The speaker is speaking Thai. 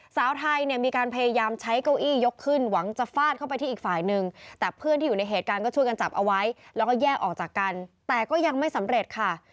สาวไทยเนี่ยมีการพยายามใช้เก้าอี้ยกขึ้นหวังจะฟาดเข้าไปที่อีกฝ่ายนึงแต่เพื่อนที่อยู่ในเหตุการณ์ก็ช่วยกันจับเอาไว้แล้วก็แยกออกจากกันแต่ก็ยังไม่สำเร็จค่ะ